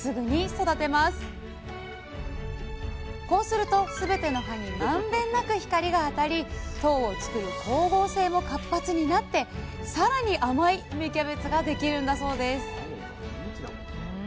こうすると全ての葉に満遍なく光が当たり糖を作る光合成も活発になって更に甘い芽キャベツができるんだそうです